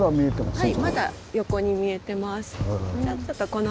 はい。